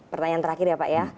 pertanyaan terakhir ya pak ya